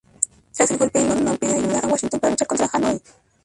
Tras el golpe, Lon Nol pidió ayuda a Washington para luchar contra Hanoi.